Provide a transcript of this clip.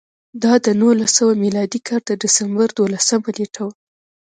دا د نولس سوه میلادي کال د ډسمبر دولسمه نېټه وه